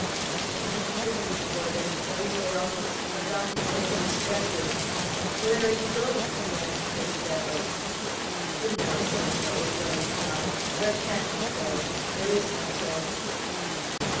In his sympathy for them, Felipe almost forgot his own distresses. "Where are you going?" he asked of several. "Who knows, Senor?" was their reply. "Where can we go? There is no place."